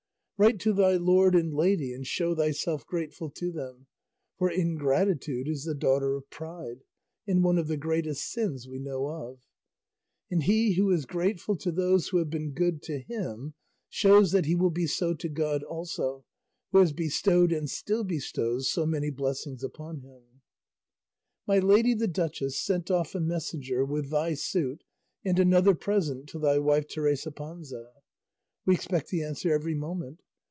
Write to thy lord and lady and show thyself grateful to them, for ingratitude is the daughter of pride, and one of the greatest sins we know of; and he who is grateful to those who have been good to him shows that he will be so to God also who has bestowed and still bestows so many blessings upon him. My lady the duchess sent off a messenger with thy suit and another present to thy wife Teresa Panza; we expect the answer every moment.